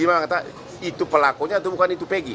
dia mengatakan itu pelakunya atau bukan itu pg